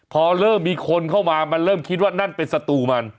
พอเริ่มมีคนเข้ามามันเริ่มคิดว่านั่นเป็นสตูมัน